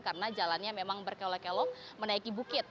karena jalannya memang berkelok kelok menaiki bukit